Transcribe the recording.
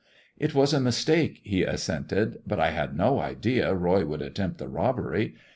" It was a mistake/' he assented, " but I had no idea Roy would attempt the robbery.